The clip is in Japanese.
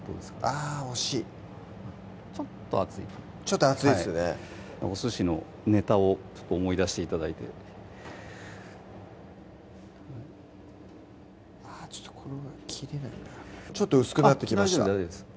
あぁ惜しいちょっと厚いかなちょっと厚いですねお寿司のネタを思い出して頂いてちょっとこれも切れないなちょっと薄くなってきました大丈夫です